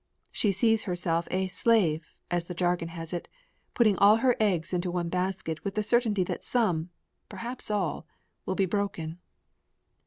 She sees herself a "slave," as the jargon has it, putting all her eggs into one basket with the certainty that some, perhaps all, will be broken.